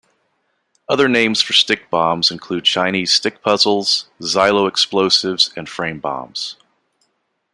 Other names for stick bombs include Chinese stick puzzles, xyloexplosives, and frame bombs.